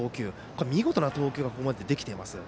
これは見事な投球がここまでできています。